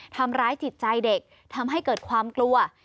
ทำร้ายจิตใจเด็กทำให้เกิดความกลัว